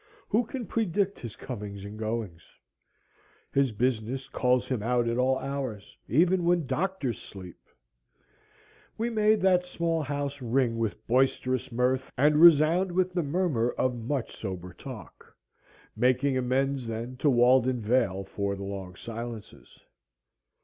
Who can predict his comings and goings? His business calls him out at all hours, even when doctors sleep. We made that small house ring with boisterous mirth and resound with the murmur of much sober talk, making amends then to Walden vale for the long silences.